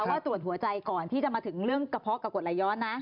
ว่าตรวจหัวใจก่อนที่จะมาถึงเรื่องกระเพาะกับกดไหลย้อนนะ